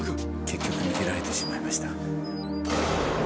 結局逃げられてしまいました。